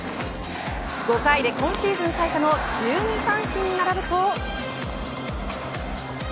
５回で、今シーズン最多の１２三振に並ぶと。